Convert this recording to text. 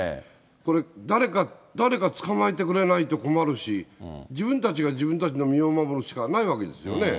これ、誰か、誰か捕まえてくれないと困るし、自分たちが自分たちの身を守るしかないわけですよね。